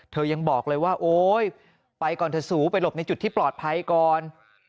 ยังบอกเลยว่าโอ๊ยไปก่อนเถอะสูไปหลบในจุดที่ปลอดภัยก่อน